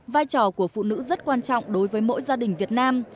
vai trò của phụ nữ rất quan trọng đối với mỗi gia đình việt nam